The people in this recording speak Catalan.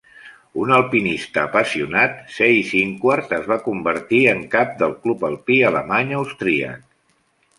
Un alpinista apassionat, Seyss-Inquart es va convertir en cap del Club Alpí alemany-austríac.